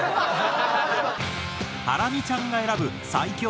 ハラミちゃんが選ぶ最強